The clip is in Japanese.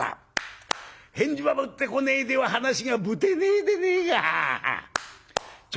返事ばぶってこねえでは話がぶてねえでねえが。